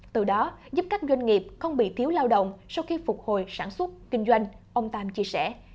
từ đó giúp các doanh nghiệp không bị thiếu lao động sau khi phục hồi sản xuất kinh doanh ông tan chia sẻ